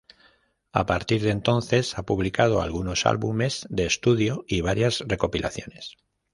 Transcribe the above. A partir de entonces ha publicado algunos álbumes de estudio y varias recopilaciones.